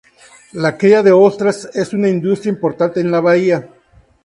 La cría de ostras es una industria importante en la bahía.